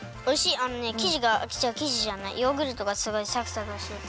あのねきじがきじじゃないヨーグルトがすごいサクサクしてて。